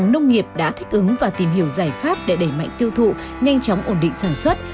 nông nghiệp đã thích ứng và tìm hiểu giải pháp để đẩy mạnh tiêu thụ nhanh chóng ổn định sản xuất